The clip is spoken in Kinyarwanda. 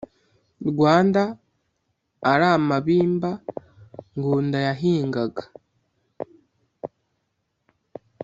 rwanda ari amabimba ngunda yahingaga